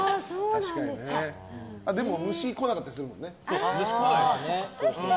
でも虫が来なかったりするもんね。